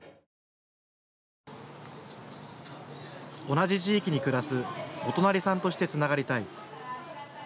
同じ地域に暮らすお隣さんとしてつながりたい。